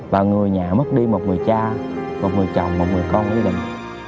và người nhà mất đi một người cha một người chồng một người con quy định